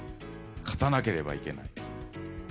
勝たなければいけない。